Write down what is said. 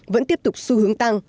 vẫn tiếp tục xu hướng tăng